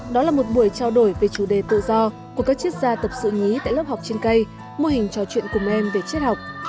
đó là một buổi trao đổi về chủ đề tự do của các triết gia tập sự nhí tại lớp học trên cây mô hình trò chuyện cùng em về triết học